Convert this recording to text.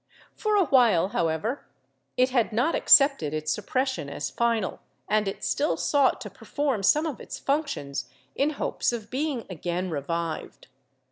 For awhile however it had not accepted its sup pression as final, and it still sought to perform some of its functions in hopes of being again revived.